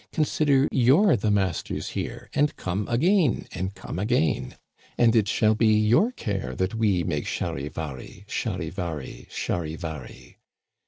Consider you*re the masters here. And come again {jrpeat\ And it shall be your care that we Make Charivari ! Charivari ! Charivari